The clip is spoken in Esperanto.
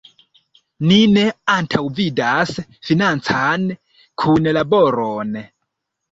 Ni ne antaŭvidas financan kunlaboron.